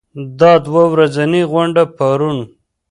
دا دوه ورځنۍ غونډه پرون